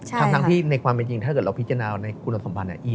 ทั้งที่ในความเป็นจริงถ้าเกิดเราพิจารณาในคุณสมบัติเนี่ย